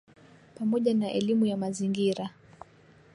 pamoja na elimu ya mazingira